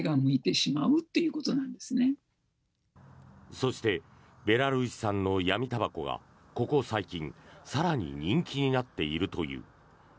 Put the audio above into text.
そしてベラルーシ産の闇たばこがここ最近更に人気になっているという。